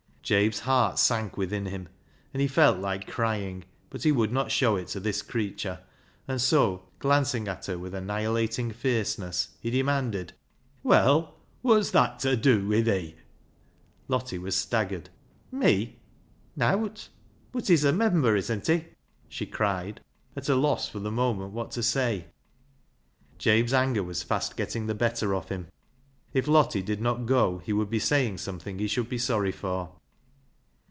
Jabe's heart sank within him, and he felt Hke crying, but he would not show it to this creature, and so, glancing at her with annihilating fierce ness, he demanded — "Well, wot's that ta dew wi' thi." Lottie was staggered. " Me ? Nowt. Bud he's a member, isn't he ?" she cried, at a loss for the moment what to say. Jabe's anger was fast getting the better of him. If Lottie did not go, he would be saying something he should be sorry for.